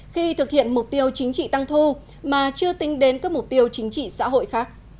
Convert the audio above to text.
khi thực hiện mục tiêu chính trị tăng thu mà chưa tính đến các mục tiêu chính trị xã hội khác